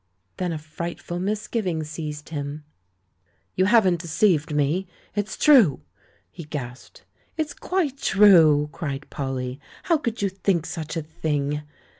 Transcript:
Then a frightful misgiving seized him. "You haven't deceived me — it's true?" he gasped. "It's quite true!" cried Polly. "How could you think such a thing?"